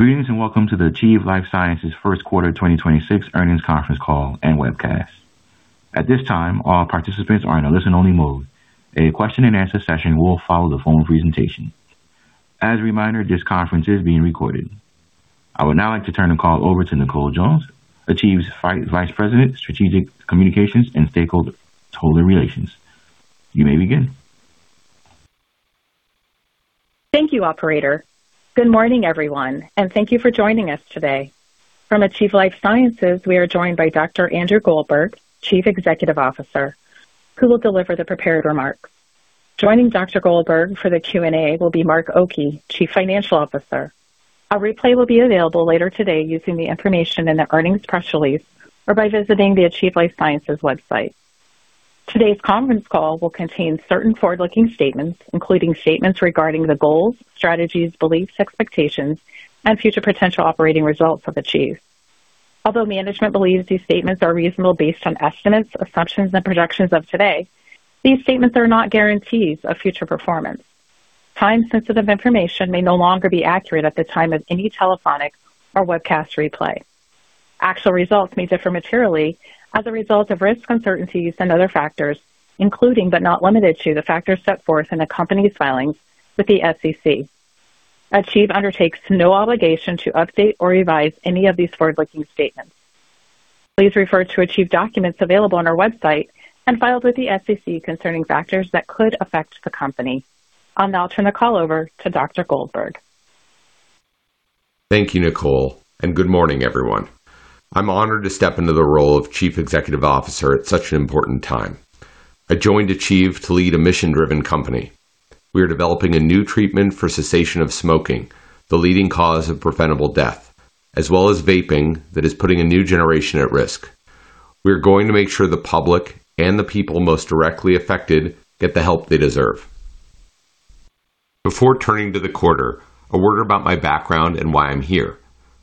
Greetings, welcome to the Achieve Life Sciences first quarter 2026 earnings conference call and webcast. At this time, all participants are in a listen-only mode. A question-and-answer session will follow the phone presentation. As a reminder, this conference is being recorded. I would now like to turn the call over to Nicole Jones, Achieve's Vice President, Strategic Communications and Stakeholder Relations. You may begin. Thank you, operator. Good morning, everyone, and thank you for joining us today. From Achieve Life Sciences, we are joined by Dr. Andrew Goldberg, Chief Executive Officer, who will deliver the prepared remarks. Joining Dr. Goldberg for the Q&A will be Mark Oki, Chief Financial Officer. A replay will be available later today using the information in the earnings press release or by visiting the Achieve Life Sciences website. Today's conference call will contain certain forward-looking statements, including statements regarding the goals, strategies, beliefs, expectations, and future potential operating results of Achieve. Although management believes these statements are reasonable based on estimates, assumptions, and projections of today, these statements are not guarantees of future performance. Time-sensitive information may no longer be accurate at the time of any telephonic or webcast replay. Actual results may differ materially as a result of risks, uncertainties, and other factors, including, but not limited to, the factors set forth in the company's filings with the SEC. Achieve undertakes no obligation to update or revise any of these forward-looking statements. Please refer to Achieve documents available on our website and filed with the SEC concerning factors that could affect the company. I'll now turn the call over to Dr. Goldberg. Thank you, Nicole, good morning, everyone. I'm honored to step into the role of Chief Executive Officer at such an important time. I joined Achieve to lead a mission-driven company. We are developing a new treatment for cessation of smoking, the leading cause of preventable death, as well as vaping that is putting a new generation at risk. We are going to make sure the public and the people most directly affected get the help they deserve. Before turning to the quarter, a word about my background and why I'm here.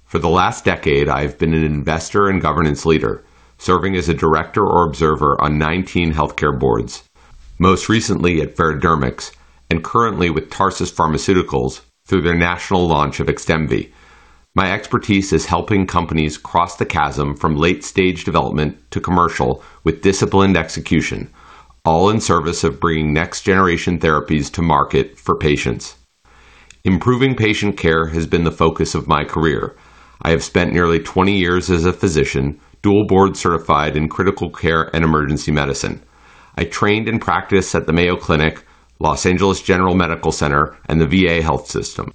For the last decade, I have been an investor and governance leader, serving as a director or observer on 19 healthcare boards, most recently at Veradermics and currently with Tarsus Pharmaceuticals through their national launch of XDEMVY. My expertise is helping companies cross the chasm from late-stage development to commercial with disciplined execution, all in service of bringing next-generation therapies to market for patients. Improving patient care has been the focus of my career. I have spent nearly 20 years as a physician, dual board certified in critical care and emergency medicine. I trained and practiced at the Mayo Clinic, Los Angeles General Medical Center, and the VA health system.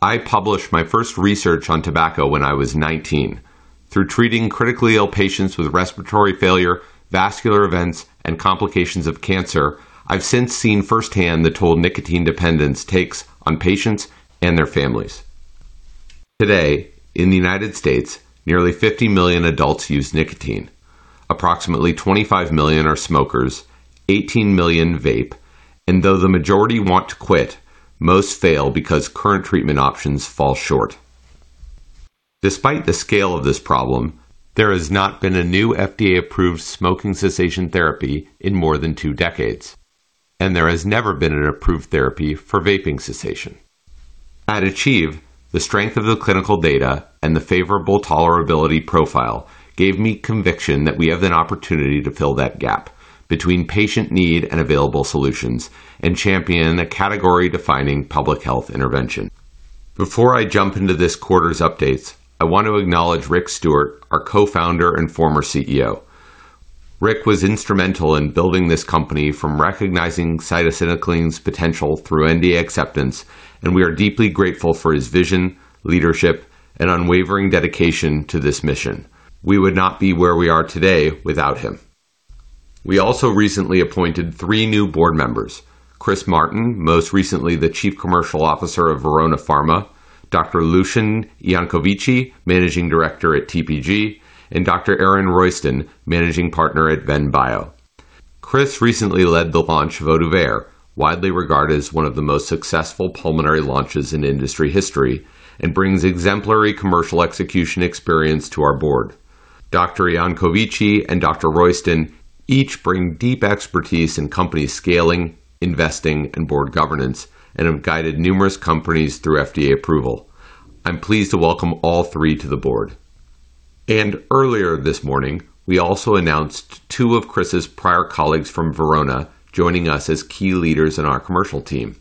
I published my first research on tobacco when I was 19. Through treating critically-ill patients with respiratory failure, vascular events, and complications of cancer, I've since seen firsthand the toll nicotine dependence takes on patients and their families. Today, in the United States, nearly 50 million adults use nicotine. Approximately 25 million are smokers, 18 million vape, and though the majority want to quit, most fail because current treatment options fall short. Despite the scale of this problem, there has not been a new FDA-approved smoking cessation therapy in more than two decades, and there has never been an approved therapy for vaping cessation. At Achieve, the strength of the clinical data and the favorable tolerability profile gave me conviction that we have an opportunity to fill that gap between patient need and available solutions and champion a category-defining public health intervention. Before I jump into this quarter's updates, I want to acknowledge Rick Stewart, our Co-Founder and former CEO. Rick was instrumental in building this company from recognizing cytisinicline's potential through NDA acceptance. We are deeply grateful for his vision, leadership, and unwavering dedication to this mission. We would not be where we are today without him. We also recently appointed three new Board members. Chris Martin, most recently the Chief Commercial Officer of Verona Pharma, Dr. Lucian Iancovici, Managing Director at TPG, and Dr. Aaron Royston, Managing Partner at venBio. Chris recently led the launch of OHTUVAYRE, widely regarded as one of the most successful pulmonary launches in industry history, and brings exemplary commercial execution experience to our Board. Dr. Iancovici and Dr. Royston each bring deep expertise in company scaling, investing, and board governance and have guided numerous companies through FDA approval. I'm pleased to welcome all three to the Board. Earlier this morning, we also announced two of Chris's prior colleagues from Verona joining us as key leaders in our commercial team.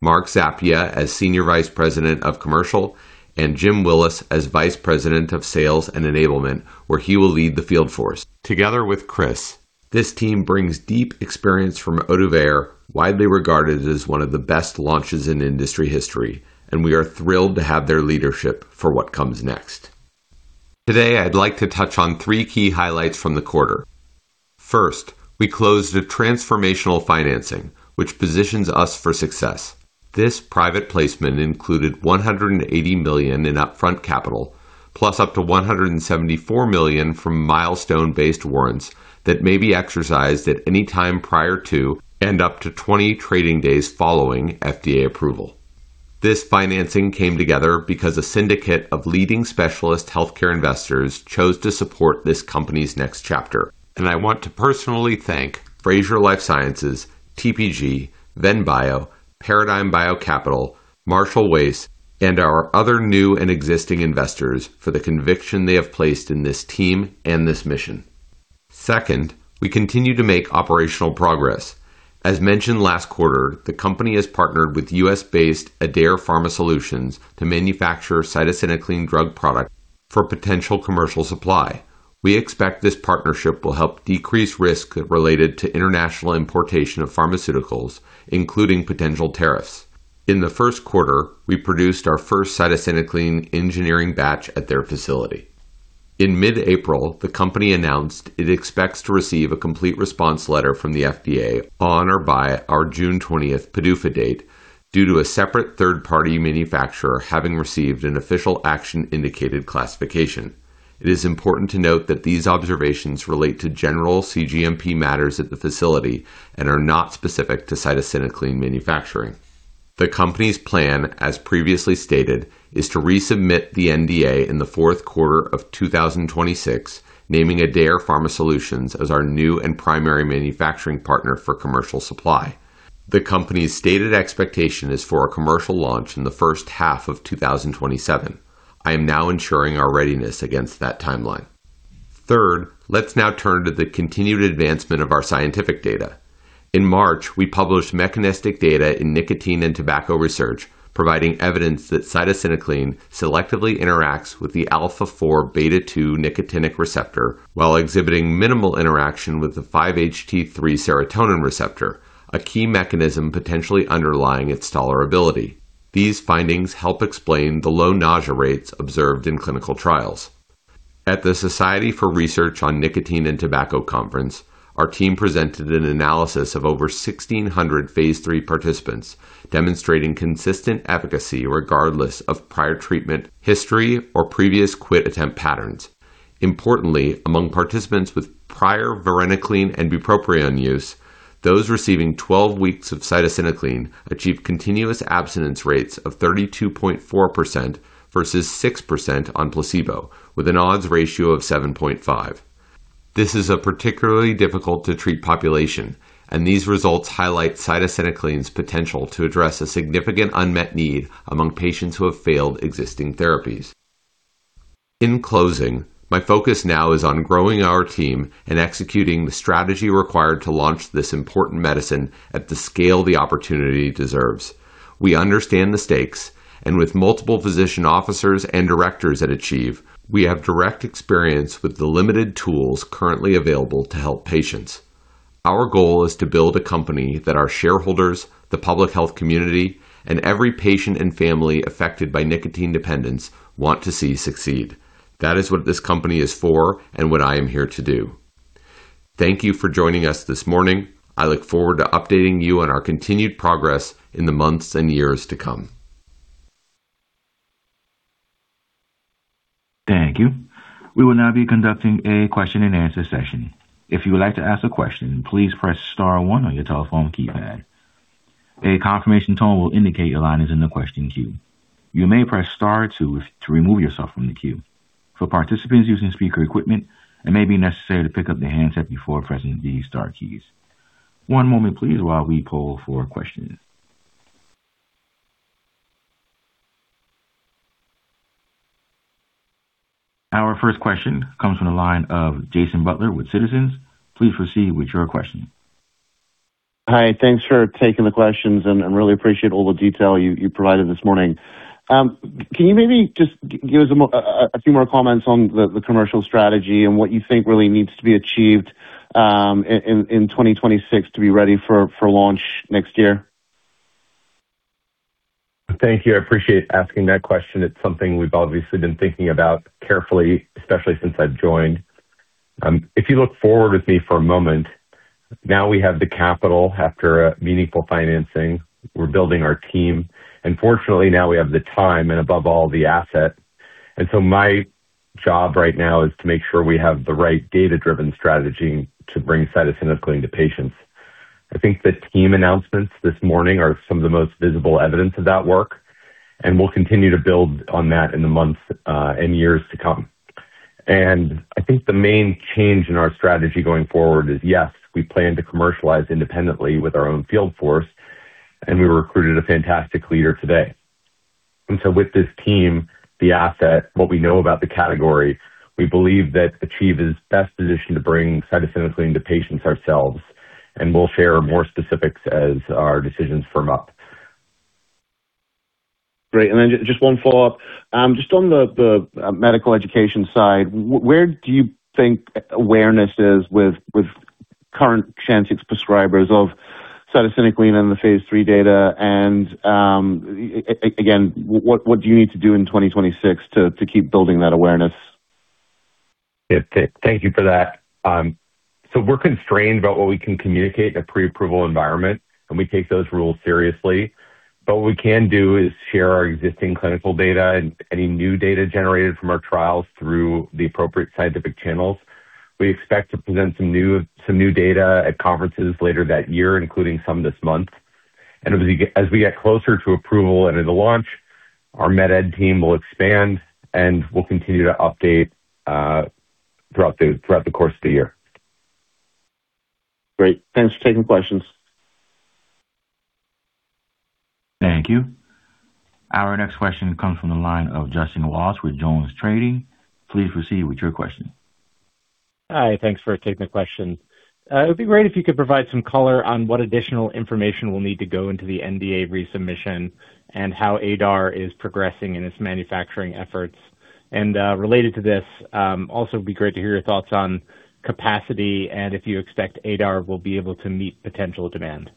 Mark Zappia as Senior Vice President of Commercial, and Jim Willis as Vice President of Sales and Enablement, where he will lead the field force. Together with Chris, this team brings deep experience from OHTUVAYRE, widely regarded as one of the best launches in industry history, and we are thrilled to have their leadership for what comes next. Today, I'd like to touch on three key highlights from the quarter. First, we closed a transformational financing, which positions us for success. This private placement included $180 million in upfront capital, plus up to $174 million from milestone-based warrants that may be exercised at any time prior to and up to 20 trading days following FDA approval. This financing came together because a syndicate of leading specialist healthcare investors chose to support this company's next chapter. I want to personally thank Frazier Life Sciences, TPG, venBio, Paradigm BioCapital, Marshall Wace, and our other new and existing investors for the conviction they have placed in this team and this mission. Second, we continue to make operational progress. As mentioned last quarter, the company has partnered with U.S.-based Adare Pharma Solutions to manufacture cytisinicline drug product for potential commercial supply. We expect this partnership will help decrease risk related to international importation of pharmaceuticals, including potential tariffs. In the first quarter, we produced our first cytisinicline engineering batch at their facility. In mid-April, the company announced it expects to receive a complete response letter from the FDA on or by our June 20th PDUFA date due to a separate third-party manufacturer having received an Official Action Indicated classification. It is important to note that these observations relate to general CGMP matters at the facility and are not specific to cytisinicline manufacturing. The company's plan, as previously stated, is to resubmit the NDA in the fourth quarter of 2026, naming Adare Pharma Solutions as our new and primary manufacturing partner for commercial supply. The company's stated expectation is for a commercial launch in the first half of 2027. I am now ensuring our readiness against that timeline. Third, let's now turn to the continued advancement of our scientific data. In March, we published mechanistic data in Nicotine & Tobacco Research providing evidence that cytisinicline selectively interacts with the alpha-4 beta-2 nicotinic receptor while exhibiting minimal interaction with the 5-HT3 serotonin receptor, a key mechanism potentially underlying its tolerability. These findings help explain the low nausea rates observed in clinical trials. At the Society for Research on Nicotine & Tobacco conference, our team presented an analysis of over 1,600 phase III participants demonstrating consistent efficacy regardless of prior treatment history or previous quit attempt patterns. Importantly, among participants with prior varenicline and bupropion use, those receiving 12 weeks of cytisinicline achieved continuous abstinence rates of 32.4% versus 6% on placebo, with an odds ratio of 7.5. This is a particularly difficult to treat population, and these results highlight cytisinicline's potential to address a significant unmet need among patients who have failed existing therapies. In closing, my focus now is on growing our team and executing the strategy required to launch this important medicine at the scale the opportunity deserves. We understand the stakes and with multiple physician officers and directors at Achieve, we have direct experience with the limited tools currently available to help patients. Our goal is to build a company that our shareholders, the public health community, and every patient and family affected by nicotine dependence want to see succeed. That is what this company is for and what I am here to do. Thank you for joining us this morning. I look forward to updating you on our continued progress in the months and years to come. Thank you. We will now be conducting a question-and-answer session. If you would like to ask a question, please press star one on your telephone keypad. A confirmation tone will indicate your line is in the question queue. You may press star two to remove yourself from the queue. For participants using speaker equipment, it may be necessary to pick up the handset before pressing these star keys. One moment please while we poll for questions. Our first question comes from the line of Jason Butler with Citizens. Please proceed with your question. Hi. Thanks for taking the questions and really appreciate all the detail you provided this morning. Can you maybe just give us a few more comments on the commercial strategy and what you think really needs to be achieved in 2026 to be ready for launch next year? Thank you. I appreciate asking that question. It's something we've obviously been thinking about carefully, especially since I've joined. If you look forward with me for a moment, now we have the capital after a meaningful financing. We're building our team. Fortunately, now we have the time and above all, the asset. My job right now is to make sure we have the right data-driven strategy to bring cytisinicline to patients. I think the team announcements this morning are some of the most visible evidence of that work, and we'll continue to build on that in the months and years to come. I think the main change in our strategy going forward is, yes, we plan to commercialize independently with our own field force, and we recruited a fantastic leader today. With this team, the asset, what we know about the category, we believe that Achieve is best positioned to bring cytisinicline to patients ourselves, and we'll share more specifics as our decisions firm up. Great. Just one follow-up. Just on the medical education side, where do you think awareness is with current Chantix prescribers of cytisinicline and the phase III data and again, what do you need to do in 2026 to keep building that awareness? Yeah. Thank you for that. We're constrained about what we can communicate in a pre-approval environment and we take those rules seriously. What we can do is share our existing clinical data and any new data generated from our trials through the appropriate scientific channels. We expect to present some new data at conferences later that year, including some this month. As we get closer to approval and in the launch, our med ed team will expand, and we'll continue to update throughout the course of the year. Great. Thanks for taking questions. Thank you. Our next question comes from the line of Justin Walsh with JonesTrading. Please proceed with your question. Hi. Thanks for taking the question. It would be great if you could provide some color on what additional information will need to go into the NDA resubmission and how Adare is progressing in its manufacturing efforts. Related to this, also it would be great to hear your thoughts on capacity and if you expect Adare will be able to meet potential demand.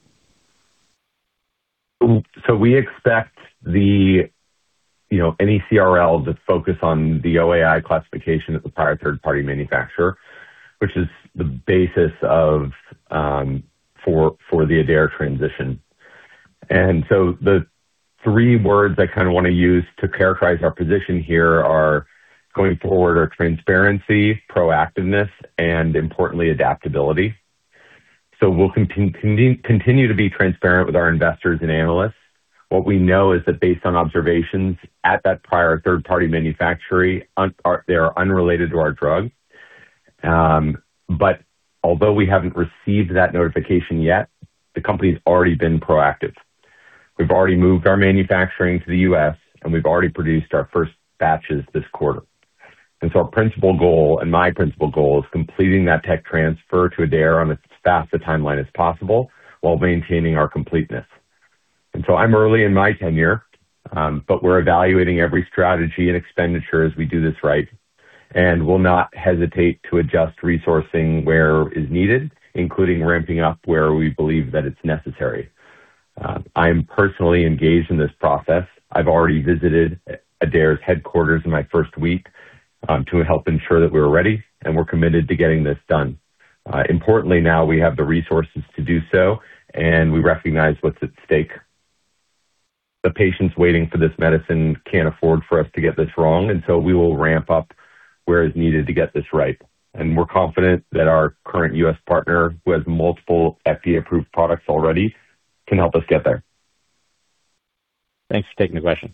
We expect the, you know, any CRL to focus on the OAI classification at the prior third-party manufacturer, which is the basis for the Adare transition. The three words I kinda wanna use to characterize our position here are going forward are transparency, proactiveness, and importantly, adaptability. We'll continue to be transparent with our investors and analysts. What we know is that based on observations at that prior third-party manufacturing, they are unrelated to our drug. Although we haven't received that notification yet, the company's already been proactive. We've already moved our manufacturing to the U.S., and we've already produced our first batches this quarter. Our principal goal and my principal goal is completing that tech transfer to Adare on as fast a timeline as possible while maintaining our completeness. I'm early in my tenure, but we're evaluating every strategy and expenditure as we do this right, and will not hesitate to adjust resourcing where is needed, including ramping up where we believe that it's necessary. I am personally engaged in this process. I've already visited Adare's headquarters in my first week, to help ensure that we're ready, and we're committed to getting this done. Importantly, now we have the resources to do so, and we recognize what's at stake. The patients waiting for this medicine can't afford for us to get this wrong, and sowe will ramp up where is needed to get this right. We're confident that our current U.S. partner, who has multiple FDA-approved products already, can help us get there. Thanks for taking the question.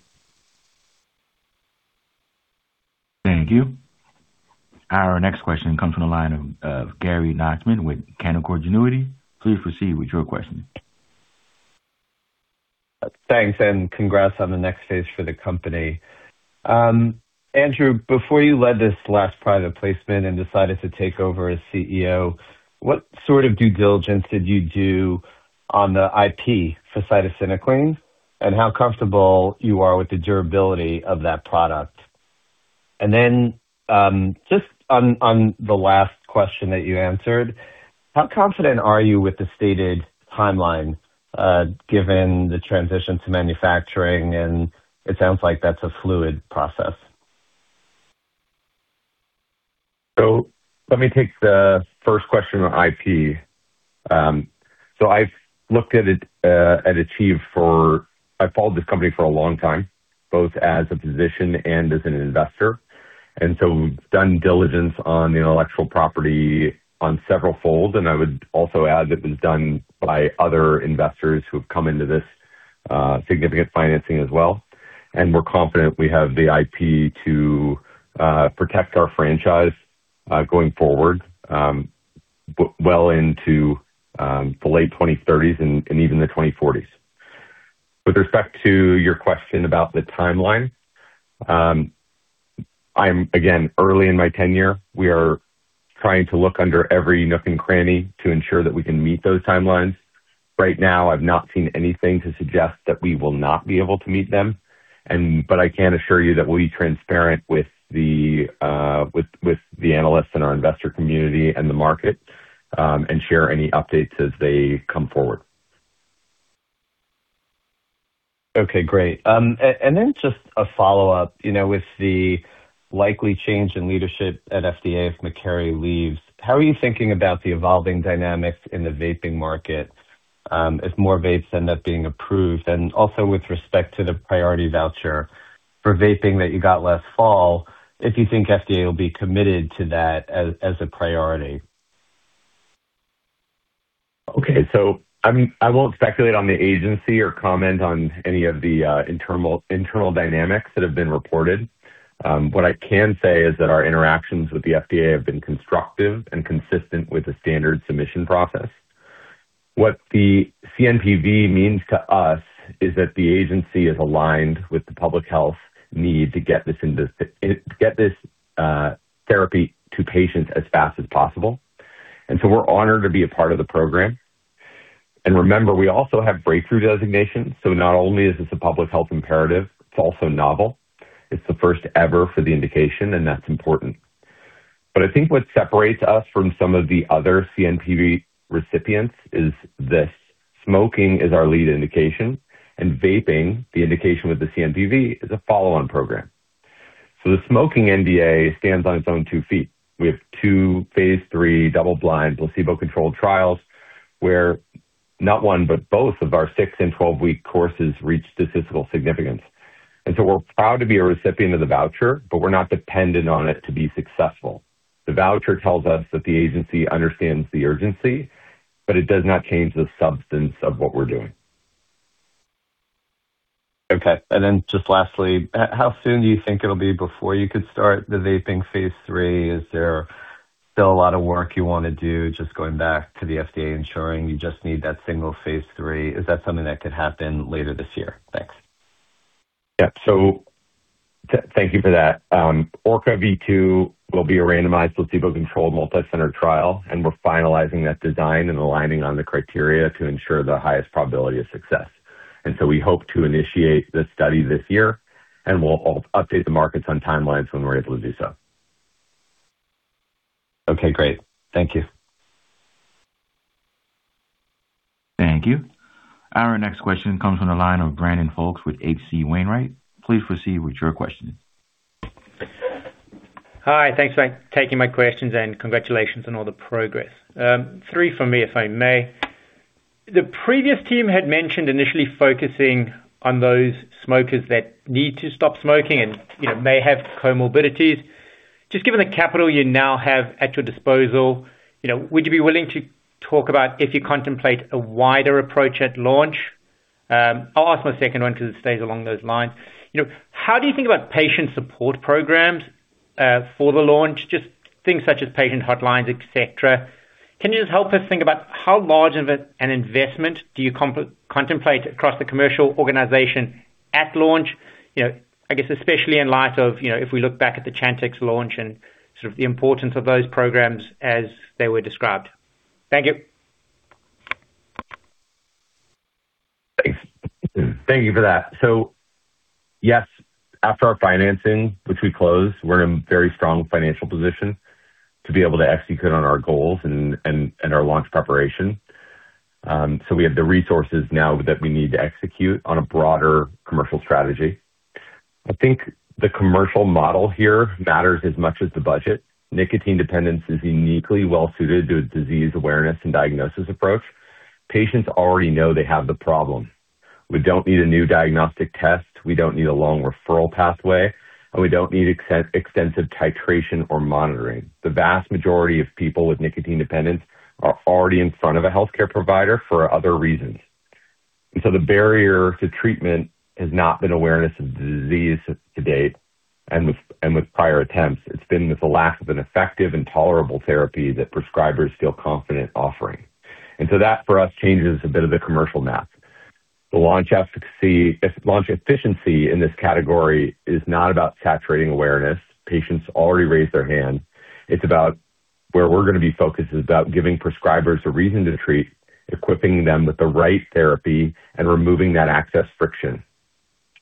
Thank you. Our next question comes from the line of Gary Nachman with Canaccord Genuity. Please proceed with your question. Thanks. Congrats on the next phase for the company. Andrew, before you led this last private placement and decided to take over as CEO, what sort of due diligence did you do on the IP for cytisinicline, and how comfortable you are with the durability of that product? Just on the last question that you answered, how confident are you with the stated timeline, given the transition to manufacturing and it sounds like that's a fluid process? Let me take the first question on IP. I've looked at it at Achieve for I've followed this company for a long time, both as a physician and as an investor. We've done diligence on the intellectual property on several folds, and I would also add that was done by other investors who have come into this significant financing as well. We're confident we have the IP to protect our franchise going forward well into the late 2030s and even the 2040s. With respect to your question about the timeline, I am, again, early in my tenure. We are trying to look under every nook and cranny to ensure that we can meet those timelines. Right now, I've not seen anything to suggest that we will not be able to meet them and, I can assure you that we'll be transparent with the with the analysts and our investor community and the market, and share any updates as they come forward. Okay, great. And then just a follow-up. You know, with the likely change in leadership at FDA if Makary leads, how are you thinking about the evolving dynamics in the vaping market, if more vapes end up being approved? Also with respect to the priority voucher for vaping that you got last fall, if you think FDA will be committed to that as a priority. I won't speculate on the agency or comment on any of the internal dynamics that have been reported. What I can say is that our interactions with the FDA have been constructive and consistent with the standard submission process. What the CNPV means to us is that the agency is aligned with the public health need to get this therapy to patients as fast as possible and we're honored to be a part of the program. Remember, we also have Breakthrough Designation, so not only is this a public health imperative, it's also novel. It's the first ever for the indication, and that's important. I think what separates us from some of the other CNPV recipients is this. Smoking is our lead indication, and vaping, the indication with the CNPV, is a follow-on program. The smoking NDA stands on its own two feet. We have two phase III double-blind placebo-controlled trials where not one, but both of our six and 12-week courses reached statistical significance. We're proud to be a recipient of the voucher, but we're not dependent on it to be successful. The voucher tells us that the agency understands the urgency, but it does not change the substance of what we're doing. Okay. Just lastly, how soon do you think it'll be before you could start the vaping phase III? Is there still a lot of work you want to do just going back to the FDA, ensuring you just need that single phase III? Is that something that could happen later this year? Thanks. Thank you for that. ORCA-V2 will be a randomized, placebo-controlled, multicenter trial. We're finalizing that design and aligning on the criteria to ensure the highest probability of success. We hope to initiate the study this year. We'll update the markets on timelines when we're able to do so. Okay, great. Thank you. Thank you. Our next question comes from the line of Brandon Folkes with H.C. Wainwright. Please proceed with your question. Hi. Thanks for taking my questions, and congratulations on all the progress. Three from me, if I may. The previous team had mentioned initially focusing on those smokers that need to stop smoking and, you know, may have comorbidities. Just given the capital you now have at your disposal, you know, would you be willing to talk about if you contemplate a wider approach at launch? I'll ask my second one 'cause it stays along those lines. You know, how do you think about patient support programs for the launch? Just things such as patient hotlines, etc. Can you just help us think about how large of an investment do you contemplate across the commercial organization at launch? You know, I guess especially in light of, you know, if we look back at the Chantix launch and sort of the importance of those programs as they were described. Thank you. Thanks. Thank you for that. Yes, after our financing, which we closed, we're in a very strong financial position to be able to execute on our goals and our launch preparation. We have the resources now that we need to execute on a broader commercial strategy. I think the commercial model here matters as much as the budget. Nicotine dependence is uniquely well suited to a disease awareness and diagnosis approach. Patients already know they have the problem. We don't need a new diagnostic test, we don't need a long referral pathway, and we don't need extensive titration or monitoring. The vast majority of people with nicotine dependence are already in front of a healthcare provider for other reasons. The barrier to treatment has not been awareness of the disease to date and with prior attempts. It's been the lack of an effective and tolerable therapy that prescribers feel confident offering. That, for us, changes a bit of the commercial math. The launch efficacy, launch efficiency in this category is not about saturating awareness. Patients already raised their hand. It's about where we're gonna be focused is about giving prescribers a reason to treat, equipping them with the right therapy, and removing that access friction.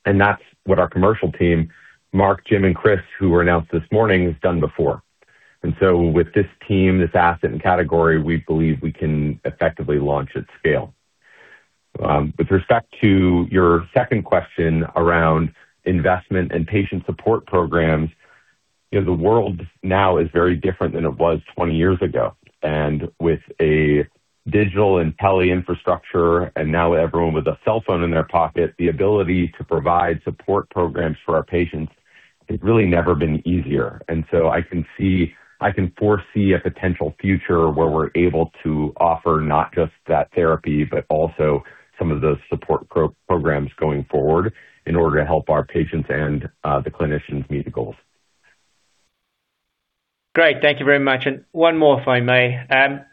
That's what our commercial team, Mark, Jim, and Chris who were announced this morning, has done before. With this team, this asset and category, we believe we can effectively launch at scale. With respect to your second question around investment and patient support programs, you know, the world now is very different than it was 20 years ago. With a digital and tele infrastructure and now everyone with a cell phone in their pocket, the ability to provide support programs for our patients has really never been easier. I can see, I can foresee a potential future where we're able to offer not just that therapy, but also some of those support programs going forward in order to help our patients and the clinicians meet the goals. Great. Thank you very much. One more, if I may.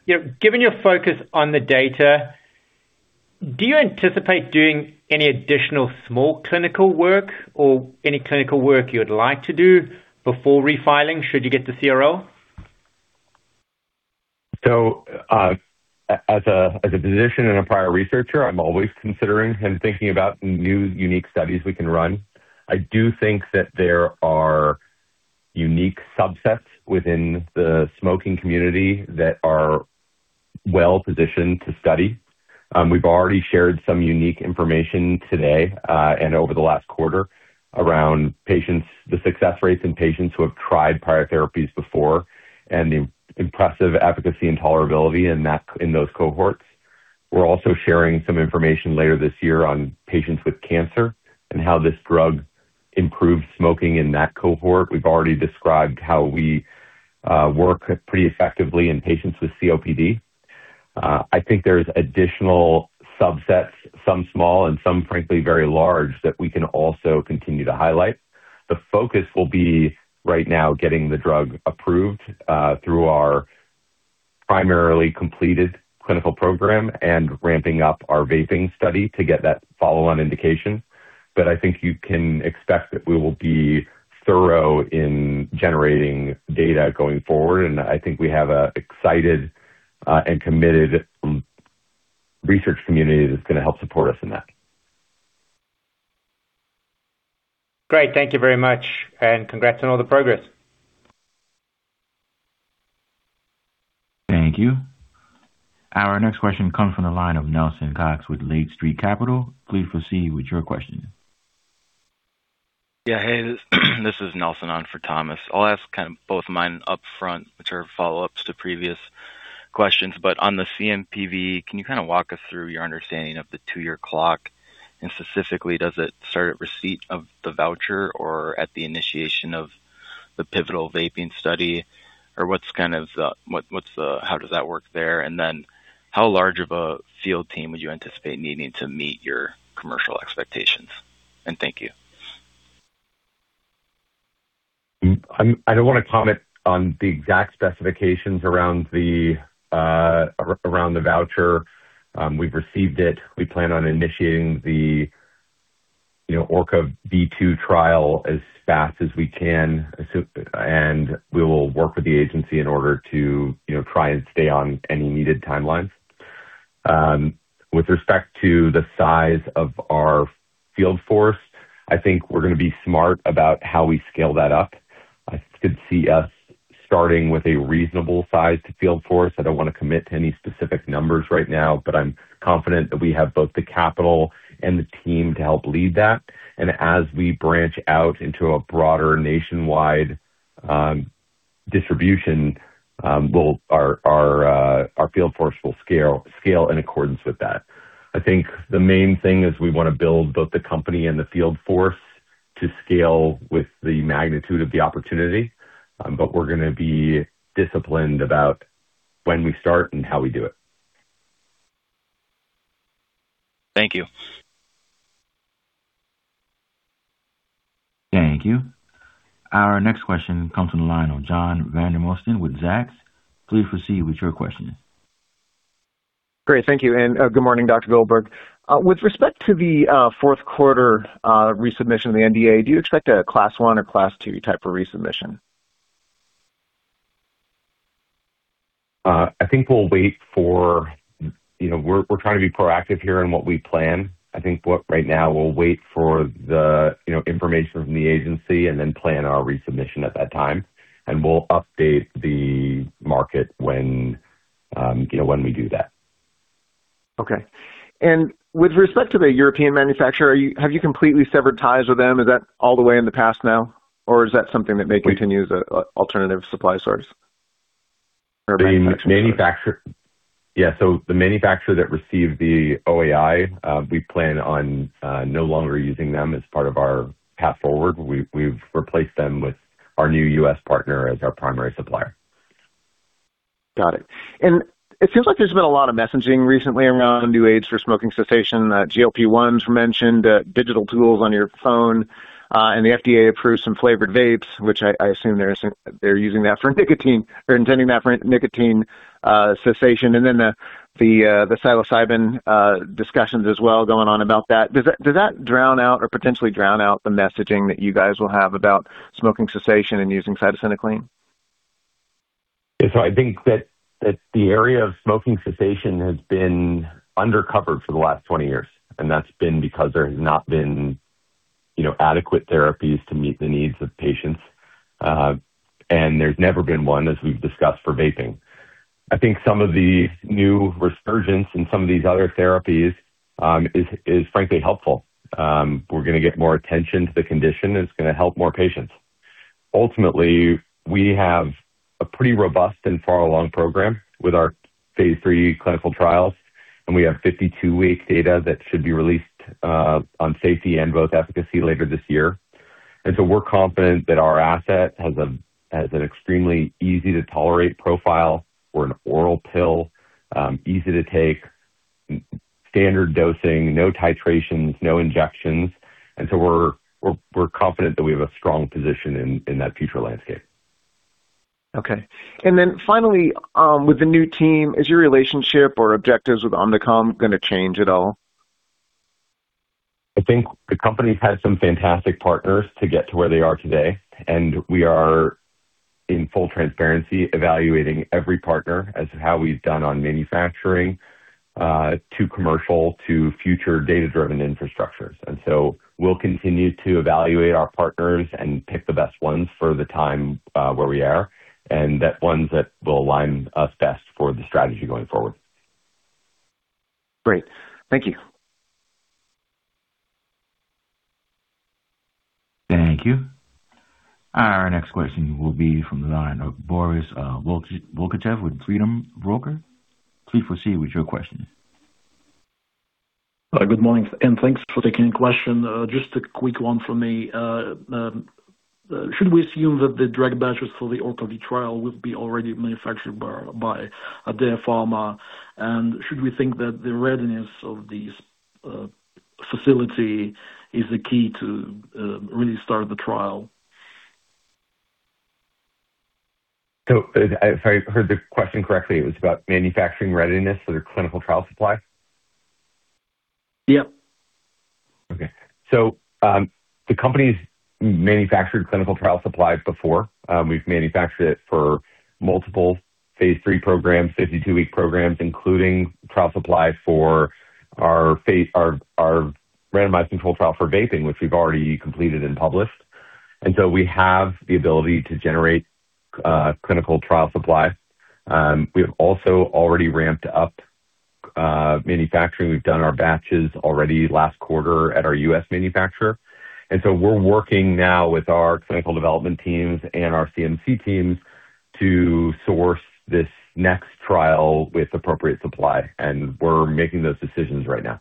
You know, given your focus on the data, do you anticipate doing any additional small clinical work or any clinical work you would like to do before refiling should you get the CRL? As a physician and a prior researcher, I'm always considering and thinking about new unique studies we can run. I do think that there are unique subsets within the smoking community that are well-positioned to study. We've already shared some unique information today and over the last quarter around patients, the success rates in patients who have tried prior therapies before and the impressive efficacy and tolerability in those cohorts. We're also sharing some information later this year on patients with cancer and how this drug improves smoking in that cohort. We've already described how we work pretty effectively in patients with COPD. I think there's additional subsets, some small and some frankly very large, that we can also continue to highlight. The focus will be right now getting the drug approved, through our primarily completed clinical program and ramping up our vaping study to get that follow on indication. I think you can expect that we will be thorough in generating data going forward, and I think we have a excited, and committed, research community that's gonna help support us in that. Great. Thank you very much, and congrats on all the progress. Thank you. Our next question comes from the line of Nelson Cox with Lake Street Capital. Please proceed with your question. Yeah. Hey, this is Nelson on for Thomas. I'll ask kind of both mine upfront, which are follow-ups to previous questions. On the CNPV, can you kinda walk us through your understanding of the two-year clock? Specifically, does it start at receipt of the voucher or at the initiation of the pivotal vaping study? What's kind of the how does that work there? How large of a field team would you anticipate needing to meet your commercial expectations? Thank you. I don't wanna comment on the exact specifications around the voucher. We've received it. We plan on initiating the, you know, ORCA-V2 trial as fast as we can. We will work with the agency in order to, you know, try and stay on any needed timelines. With respect to the size of our field force, I think we're gonna be smart about how we scale that up. I could see us starting with a reasonable sized field force. I don't wanna commit to any specific numbers right now, but I'm confident that we have both the capital and the team to help lead that. As we branch out into a broader nationwide distribution, our field force will scale in accordance with that. I think the main thing is we wanna build both the company and the field force to scale with the magnitude of the opportunity. We're gonna be disciplined about when we start and how we do it. Thank you. Thank you. Our next question comes from the line of John Vandermosten with Zacks. Please proceed with your question. Great. Thank you. Good morning, Dr. Goldberg. With respect to the 4th quarter resubmission of the NDA, do you expect a Class 1 or Class 2 type of resubmission? I think we'll wait for, you know, we're trying to be proactive here in what we plan. Right now we'll wait for the, you know, information from the agency and then plan our resubmission at that time. We'll update the market when, you know, when we do that. Okay. With respect to the European manufacturer, have you completely severed ties with them? Is that all the way in the past now or is that something that may continue as a alternative supply source or manufacturing source? Yeah. The manufacturer that received the OAI, we plan on no longer using them as part of our path forward. We've replaced them with our new U.S. partner as our primary supplier. Got it. It seems like there's been a lot of messaging recently around new aids for smoking cessation. GLP-1s were mentioned, digital tools on your phone, and the FDA approved some flavored vapes, which I assume they're using that for nicotine or intending that for nicotine cessation. Then the psilocybin discussions as well going on about that. Does that, does that drown out or potentially drown out the messaging that you guys will have about smoking cessation and using cytisinicline? I think that the area of smoking cessation has been undercovered for the last 20 years, and that's been because there has not been, you know, adequate therapies to meet the needs of patients. There's never been one, as we've discussed, for vaping. I think some of the new resurgence in some of these other therapies is frankly helpful. We're gonna get more attention to the condition, and it's gonna help more patients. Ultimately, we have a pretty robust and far along program with our phase III clinical trials, and we have 52-week data that should be released on safety and both efficacy later this year. We're confident that our asset has an extremely easy to tolerate profile. We're an oral pill, easy to take, standard dosing, no titrations, no injections. We're confident that we have a strong position in that future landscape. Okay. Finally, with the new team, is your relationship or objectives with Omnicom going to change at all? I think the company's had some fantastic partners to get to where they are today and we are in full transparency evaluating every partner as to how we've done on manufacturing, to commercial to future data-driven infrastructures. We'll continue to evaluate our partners and pick the best ones for the time, where we are, and that ones that will align us best for the strategy going forward. Great. Thank you. Thank you. Our next question will be from the line of Boris Tolkachev with Freedom Broker. Please proceed with your question. Good morning, and thanks for taking the question. Just a quick one from me. Should we assume that the drug batches for the ORCA-V2 trial will be already manufactured by Adare Pharma? Should we think that the readiness of this facility is the key to really start the trial? If I heard the question correctly, it was about manufacturing readiness for the clinical trial supply? Yep. Okay. The company's manufactured clinical trial supplies before. We've manufactured it for multiple phase III programs, 52-week programs, including trial supply for our randomized controlled trial for vaping, which we've already completed and published. We have the ability to generate clinical trial supply. We have also already ramped up manufacturing. We've done our batches already last quarter at our U.S. manufacturer. We're working now with our clinical development teams and our CMC teams to source this next trial with appropriate supply. We're making those decisions right now.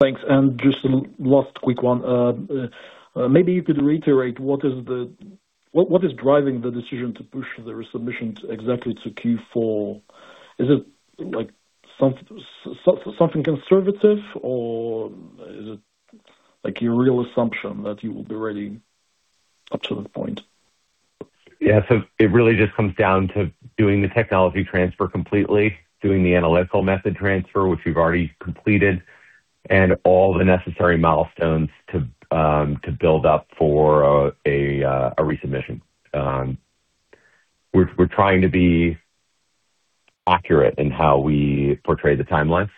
Thanks. Just some last quick one. Maybe you could reiterate what is driving the decision to push the resubmission exactly to Q4? Is it, like, something conservative, or is it, like, your real assumption that you will be ready up to that point? It really just comes down to doing the technology transfer completely, doing the analytical method transfer, which we've already completed, and all the necessary milestones to build up for a resubmission. We're trying to be accurate in how we portray the timelines.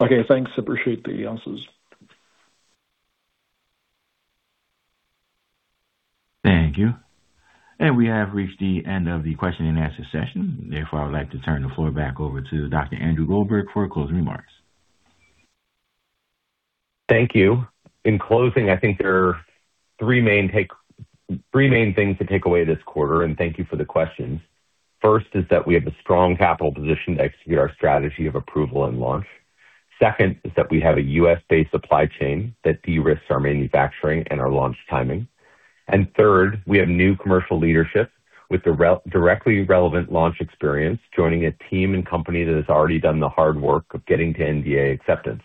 Okay. Thanks. Appreciate the answers. Thank you. We have reached the end of the question-and-answer session. Therefore, I would like to turn the floor back over to Dr. Andrew Goldberg for closing remarks. Thank you. In closing, I think there are three main things to take away this quarter, and thank you for the questions. First is that we have a strong capital position to execute our strategy of approval and launch. Second is that we have a U.S.-based supply chain that de-risks our manufacturing and our launch timing. Third, we have new commercial leadership with the directly relevant launch experience, joining a team and company that has already done the hard work of getting to NDA acceptance.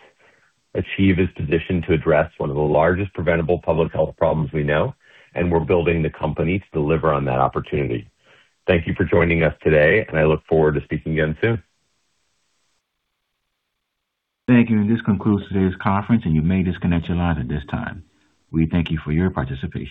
Achieve is positioned to address one of the largest preventable public health problems we know, and we're building the company to deliver on that opportunity. Thank you for joining us today, and I look forward to speaking again soon. Thank you. This concludes today's conference. You may disconnect your lines at this time. We thank you for your participation.